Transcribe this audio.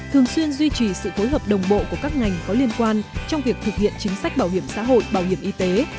thường xuyên duy trì sự phối hợp đồng bộ của các ngành có liên quan trong việc thực hiện chính sách bảo hiểm xã hội bảo hiểm y tế